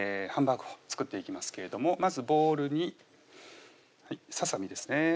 ハンバーグを作っていきますけれどもまずボウルにささみですね